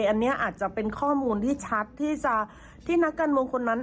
อันนี้อาจจะเป็นข้อมูลที่ชัดที่จะที่นักการเมืองคนนั้น